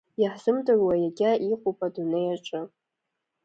Иаҳзымдыруа иагьа ыҟоуп адунеи аҿы.